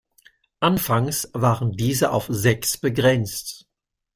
Anfangs waren diese auf sechs begrenzt.